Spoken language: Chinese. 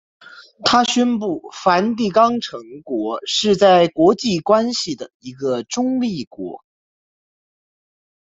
它宣布梵蒂冈城国是在国际关系的一个中立国。